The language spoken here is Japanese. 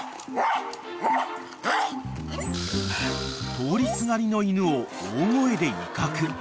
［通りすがりの犬を大声で威嚇］